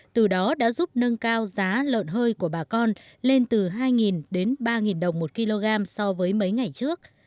từ đó đã giúp nâng cao giá lợn hơi của bà con lên từ hai đến ba đồng một kg so với mấy ngày trước